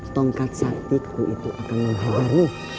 tongkat saktiku itu akan menghajarmu